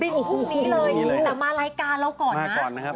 บินพรุ่งนี้เลยน้องก๊อตมารายการเราก่อนนะมาก่อนนะครับ